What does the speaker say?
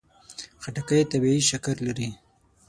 خټکی طبیعي شکر لري.